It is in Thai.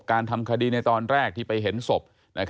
ทำคดีในตอนแรกที่ไปเห็นศพ